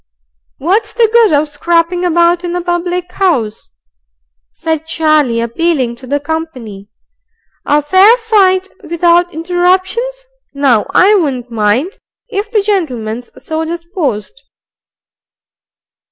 "What's the good of scrapping about in a public house?" said Charlie, appealing to the company. "A fair fight without interruptions, now, I WOULDN'T mind, if the gentleman's so disposed."